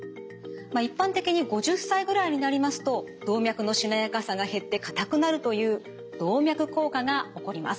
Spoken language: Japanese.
一般的に５０歳ぐらいになりますと動脈のしなやかさが減って硬くなるという動脈硬化が起こります。